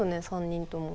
３人とも。